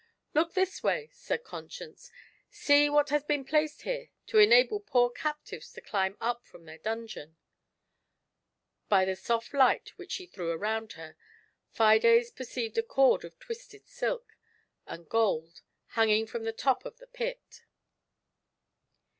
" Look this way," said Conscience ;" see what has been placed here to enable poor captives to climb up from their dungeon." By the soft light which she threw around her, Fides perceived a cord of twisted silk and gold hanging from the top of the pit.